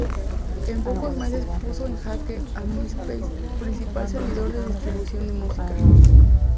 En pocos meses puso en jaque a Myspace, principal servidor de distribución de música.